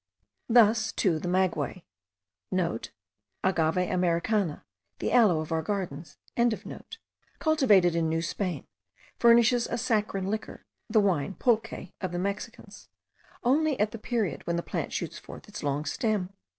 Thus too the maguey,* (* Agave Americana, the aloe of our gardens.) cultivated in New Spain, furnishes a saccharine liquor, the wine (pulque) of the Mexicans, only at the period when the plant shoots forth its long stem.